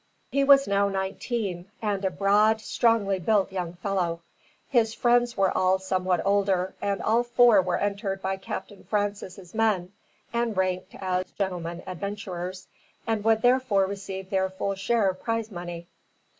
He was now nineteen, and a broad, strongly built young fellow. His friends were all somewhat older, and all four were entered by Captain Francis as men, and ranked as "gentlemen adventurers," and would therefore receive their full share of prize money.